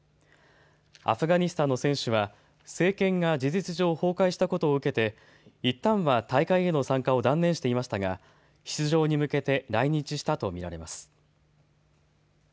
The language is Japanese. アフガニスタンの選手は政権が事実上崩壊したことを受けていったんは大会への参加を断念していましたが出場に向けて来日したと見られます。